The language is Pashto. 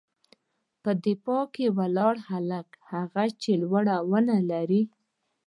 _په دفاع کې ولاړ هلک، هغه چې لوړه ونه لري.